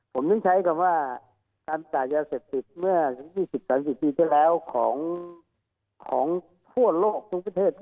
ผมยังใช้คำว่าสรรพจายาเศรษฐศิปตร์เมื่อ๒๐๓๐ปีเท่าแรกของทั่วโลกทุกประเทศ